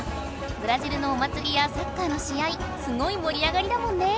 ブラジルのおまつりやサッカーの試合すごい盛り上がりだもんね！